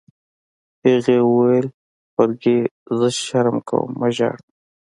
هغې وویل: فرګي، زه شرم کوم، مه ژاړه.